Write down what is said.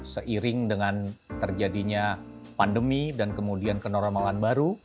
seiring dengan terjadinya pandemi dan kemudian kenormalan baru